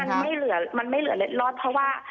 มันไม่เหลือเล็ดลอดเพราะว่า